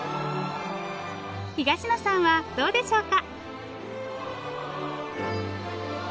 東野さんはどうでしょうか？